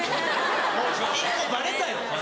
もう１個バレたよ